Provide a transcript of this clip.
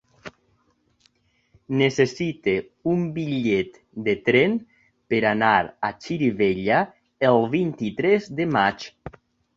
Necessito un bitllet de tren per anar a Xirivella el vint-i-tres de maig.